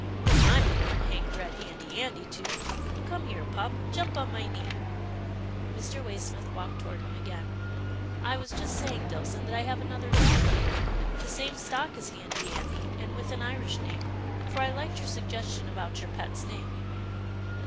" I'm the one Hank read * Handy Andy ' to — come here, pup. Jump on my knee." Mr. Waysmith walked toward him again. "I 272 'TILDA JANE'S ORPHANS was just saying, Dillson, that I have another dog here, the same stock as Handy Andy, and with an Irish name, for I liked your suggestion about your pet's name."